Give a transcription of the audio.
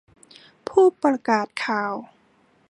ผู้ประกาศข่าว